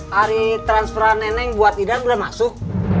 hari transferan neneng buat idan udah masuk